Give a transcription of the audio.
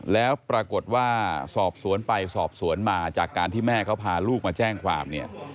แล้วปรากฏว่าสอบสวนไปสอบสวนมาจากการที่แม่เขาพาลูกมาแจ้งความเนี่ย